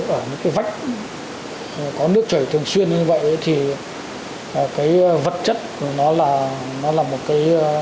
ở những vách có nước chảy thường xuyên như vậy thì vật chất của nó là một cái